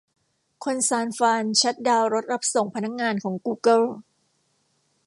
คนซานฟรานชัตดาวน์รถรับส่งพนักงานของกูเกิล